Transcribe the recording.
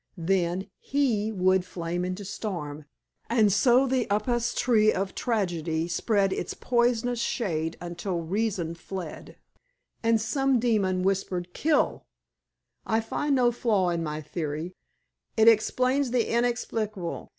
Then he would flame into storm. And so the upas tree of tragedy spread its poisonous shade until reason fled, and some demon whispered, 'Kill!' I find no flaw in my theory. It explains the inexplicable.